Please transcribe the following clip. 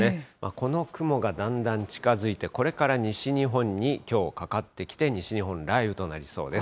この雲がだんだん近づいて、これから西日本にきょうかかってきて、西日本、雷雨となりそうです。